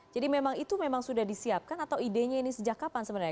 jadi memang itu sudah disiapkan atau idenya ini sejak kapan sebenarnya